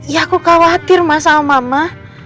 ya aku khawatir masalah mama